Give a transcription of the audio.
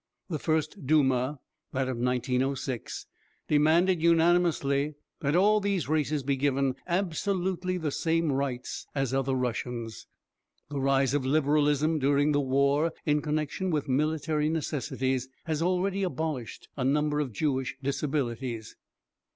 The first Duma, that of 1906, demanded unanimously that all these races be given absolutely the same rights as other Russians. The rise of Liberalism during the war, in connection with military necessities, had already abolished a number of Jewish disabilities.